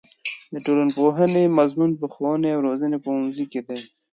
د ټولنپوهنې مضمون په ښوونې او روزنې پوهنځي کې دی.